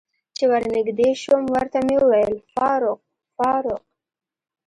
چې ور نږدې شوم ورته مې وویل: فاروق، فاروق.